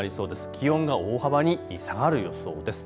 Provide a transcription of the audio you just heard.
気温が大幅に下がる予想です。